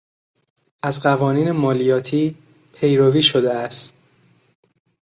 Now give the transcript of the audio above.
از قوانین مالیاتی پیروی شده است